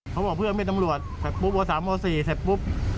เขาบอกเพื่อนมีตำรวจแต่ปุ๊บว่า๓๔แต่ปุ๊บ